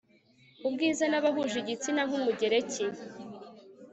Ubwiza nabahuje igitsina nkumugereki